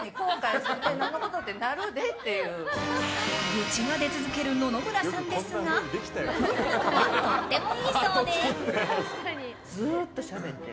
愚痴が出続ける野々村さんですが夫婦仲はとってもいいそうで。